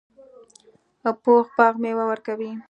پوخ باغ میوه ورکوي